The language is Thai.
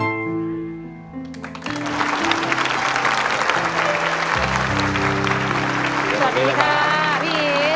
สวัสดีค่ะพี่อีท